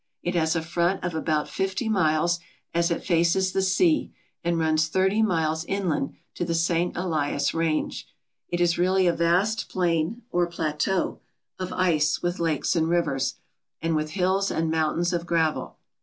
It has a front of about fifty miles as it faces the sea and runs thirty miles inland to the St. Elias range. It is really a vast plain, or plateau, of ice with lakes and rivers, and with hills and mountains of gravel.